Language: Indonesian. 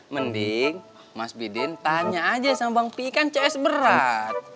mending mas bidin tanya aja sama bang pi kan cs berat